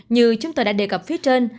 như chúng tôi đã đề cập phía trên